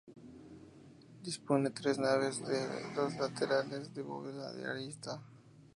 Dispone de tres naves, dos laterales de bóveda de arista.